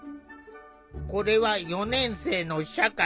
これは４年生の社会。